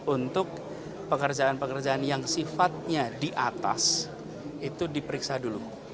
untuk pekerjaan pekerjaan yang sifatnya di atas itu diperiksa dulu